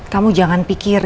kamu jangan pikirin